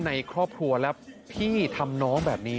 ใครจะขวาแชมป์